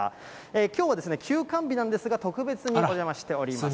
きょうは休館日なんですが、特別にお邪魔しております。